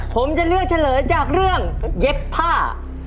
ผมจะเลือกเฉลยจากเรื่องเย็บผ้า